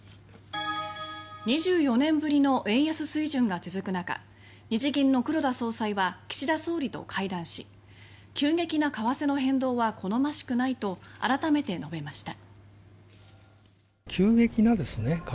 ２４年ぶりの円安水準が続く中日銀の黒田総裁は岸田総理と会談し「急激な為替の変動は好ましくない」と改めて述べました。